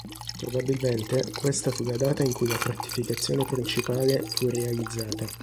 Probabilmente questa fu la data in cui la fortificazione principale fu realizzata.